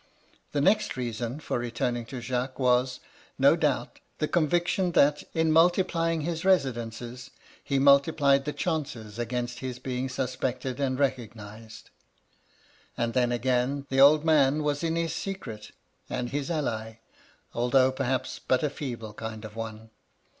The next reason for returning to Jacques was, no doubt, the conviction that, in multiplying his resi MY LADY LUDLOW. 179 dences, he multiplied the chances against his being suspected and recognised. And then, again, the old man was in his secret, and his ally, although perhaps but a feeble kind of one.